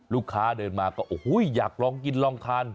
ลูกค้าเดินมาก็โอ้โหอยากลองกินลองทาน